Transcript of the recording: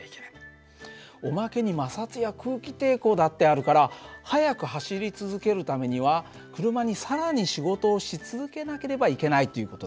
おまけに摩擦や空気抵抗だってあるから速く走り続けるためには車に更に仕事をし続けなければいけないという事なんだよね。